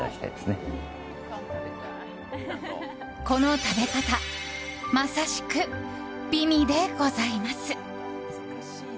この食べ方まさしく美味でございます！